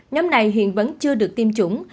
nhóm này hiện vẫn chưa được tiêm chủng